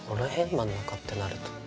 真ん中ってなると。